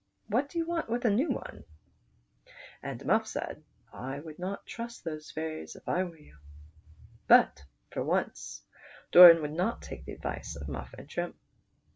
What do you want with a new one. *" l62 PRINCE DORAN. And Muff said :" I would not trust those fairies, if I were you." But for once Doran would not take the advice of Muff and Trim.